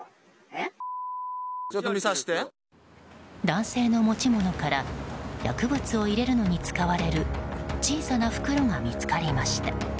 男性の持ち物から薬物を入れるのに使われる小さな袋が見つかりました。